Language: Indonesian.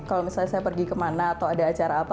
kalau misalnya saya pergi kemana atau ada acara apa